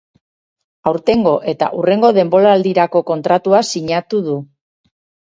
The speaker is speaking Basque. Aurtengo eta hurrengo denboraldirako kontratua sinatu du.